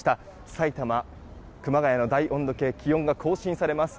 埼玉・熊谷の大温度計気温が更新されます。